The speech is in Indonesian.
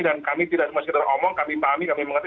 dan kami tidak cuma sekedar ngomong kami pahami kami mengerti